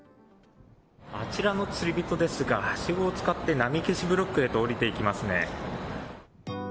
あちらの釣り人ですがはしごを使って波消しブロックへと下りていきますね。